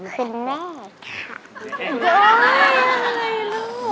คือแม่ค่ะ